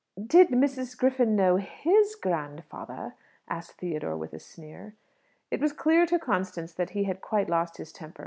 "Did Mrs. Griffin know his grandfather?" asked Theodore, with a sneer. It was clear to Constance that he had quite lost his temper.